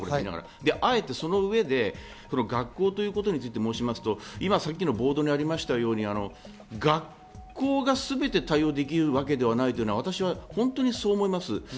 あえてその上で、学校ということについて申しますと、今さっきのボードにあったように学校がすべて対応できるわけではないというのは私は本当にそう思います。